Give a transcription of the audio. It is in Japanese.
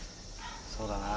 そうだな。